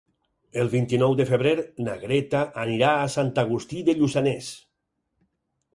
El vint-i-nou de febrer na Greta anirà a Sant Agustí de Lluçanès.